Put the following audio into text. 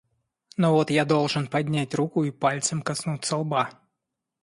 Но вот я должен поднять руку и пальцем коснуться лба.